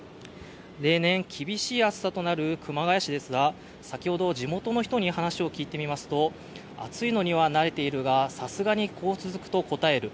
例年厳しい暑さとなる熊谷市ですが、先ほど、地元の人に話を聞いてみますと、暑いのには慣れていますがさすがにこう続くとこたえる。